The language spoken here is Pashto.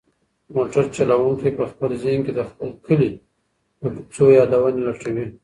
موټر چلونکی په خپل ذهن کې د خپل کلي د کوڅو یادونه لټوي.